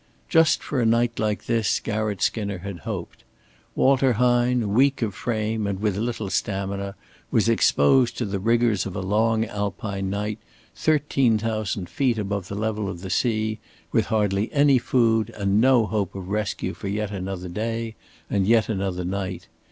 Just for a night like this Garratt Skinner had hoped. Walter Hine, weak of frame and with little stamina, was exposed to the rigors of a long Alpine night, thirteen thousand feet above the level of the sea, with hardly any food, and no hope of rescue for yet another day and yet another night.